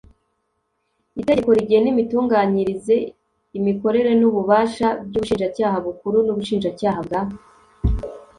Itegeko rigena imitunganyirize imikorere n ububasha by Ubushinjacyaha Bukuru n Ubushinjacyaha bwa